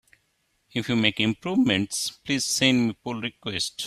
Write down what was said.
If you make improvements, please send me pull requests!